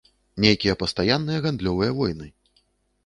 Нейкія пастаянныя гандлёвыя войны.